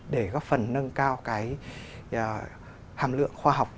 để góp phần nâng cao cái hàm lượng khoa học